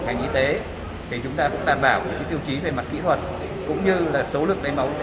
ngành y tế thì chúng ta cũng đảm bảo những tiêu chí về mặt kỹ thuật cũng như là số lực lấy mẫu sẽ